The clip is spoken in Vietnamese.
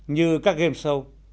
như các game show